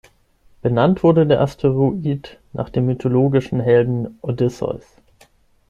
Benannt wurde der Asteroid nach dem mythologischen Helden Odysseus.